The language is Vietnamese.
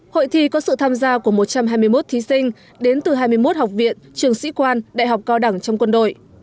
hội thi có sự tham gia của một trăm hai mươi một thí sinh đến từ hai mươi một học viện trường sĩ quan đại học cao đẳng trong quân đội